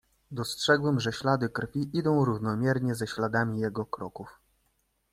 "Dostrzegłem, że ślady krwi idą równomiernie ze śladami jego kroków."